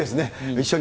一緒に。